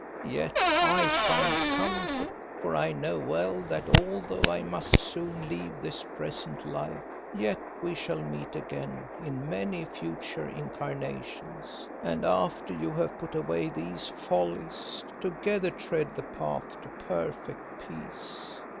Yet I find comfort, for I know well that although I must soon leave this present life, yet we shall meet again in many future incarnations, and after you have put away these follies, together tread the path to perfect peace.